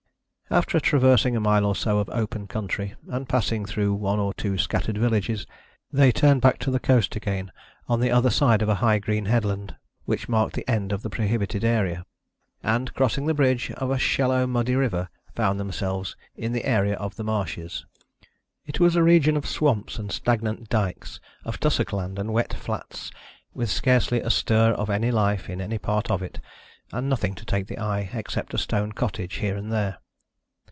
After traversing a mile or so of open country, and passing through one or two scattered villages, they turned back to the coast again on the other side of a high green headland which marked the end of the prohibited area, and, crossing the bridge of a shallow muddy river, found themselves in the area of the marshes. It was a region of swamps and stagnant dykes, of tussock land and wet flats, with scarcely a stir of life in any part of it, and nothing to take the eye except a stone cottage here and there.